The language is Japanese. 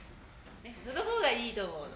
その方がいいと思うの。